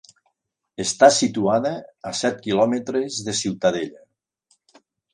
Està situada a set quilòmetres de Ciutadella.